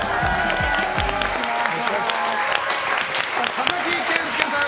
佐々木健介さん